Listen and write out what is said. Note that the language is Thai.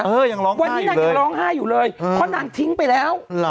ยังร้องวันนี้นางยังร้องไห้อยู่เลยเพราะนางทิ้งไปแล้ว